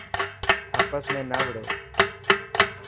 آپس ۾ نا وڙو.